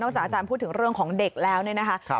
จากอาจารย์พูดถึงเรื่องของเด็กแล้วเนี่ยนะคะ